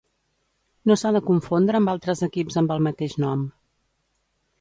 No s'ha de confondre amb altres equips amb el mateix nom.